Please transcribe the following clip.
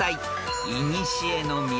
［いにしえの都